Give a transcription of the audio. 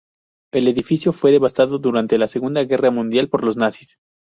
El edificio fue devastado durante la Segunda Guerra Mundial por los nazis.